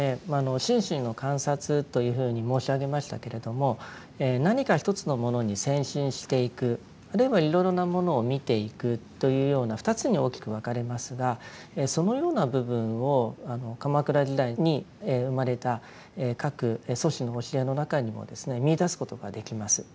心身の観察というふうに申し上げましたけれども何か一つのものに専心していくあるいはいろいろなものを見ていくというような２つに大きく分かれますがそのような部分を鎌倉時代に生まれた各祖師の教えの中にもですね見いだすことができます。